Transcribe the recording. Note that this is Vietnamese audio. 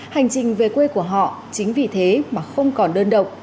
hành trình về quê của họ chính vì thế mà không còn đơn độc